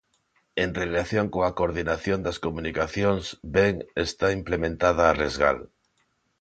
En relación coa coordinación das comunicacións: ben, está implementada a Resgal.